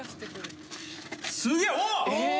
すげえ。